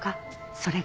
それが。